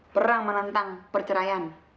perang menentang perceraian